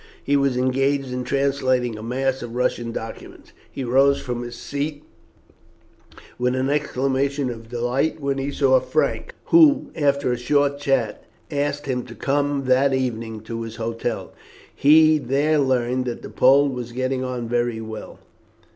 He was engaged in translating a mass of Russian documents. He rose from his seat with an exclamation of delight when he saw Frank, who, after a short chat, asked him to come that evening to his hotel. He there learned that the Pole was getting on very well.